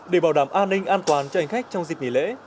để bảo đảm an ninh an toàn cho hành khách trong dịp nghỉ lễ